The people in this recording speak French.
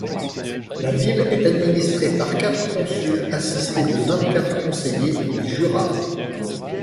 La ville est administrée par quatre consuls assistés de vingt quatre conseillers, les jurats.